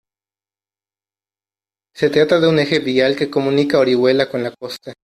Se trata de un eje vial que comunica Orihuela con la costa.